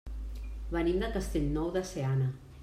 Venim de Castellnou de Seana.